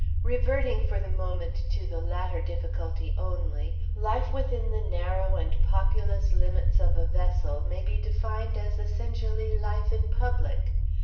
Reverting for the moment to the latter difficulty only, life within the narrow and populous limits of a vessel may be defined as essentially life in public.